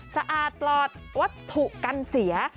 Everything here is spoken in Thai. สะอาดปลอดวัตถุกันเสีย